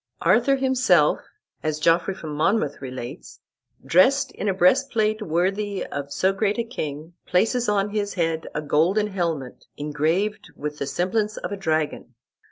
"Arthur himself," as Geoffrey of Monmouth relates, "dressed in a breastplate worthy of so great a king, places on his head a golden helmet engraved with the semblance of a dragon.